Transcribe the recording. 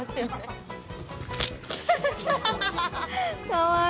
かわいい。